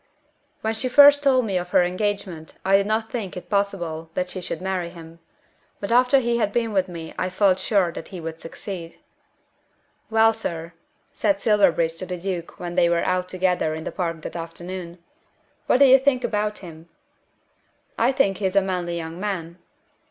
"When she first told me of her engagement I did not think it possible that she should marry him. But after he had been with me I felt sure that he would succeed." "Well, sir," said Silverbridge to the Duke when they were out together in the park that afternoon, "what do you think about him?" "I think he is a manly young man."